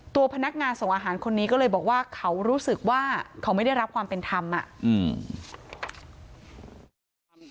ตัวพนักงานส่งอาหารคนนี้ก็เลยบอกว่าเขารู้สึกว่าเขาไม่ได้รับความเป็นธรรมอ่ะอืม